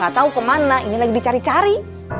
gak tahu kemana ini lagi dicari cari